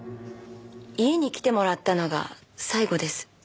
家に来てもらったのが最後です。